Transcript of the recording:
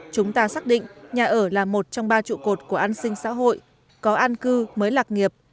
chúng ta xác định nhà ở là một trong ba trụ cột của an sinh xã hội có an cư mới lạc nghiệp